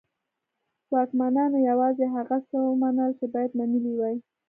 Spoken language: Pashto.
واکمنانو یوازې هغه څه ومنل چې باید منلي وای.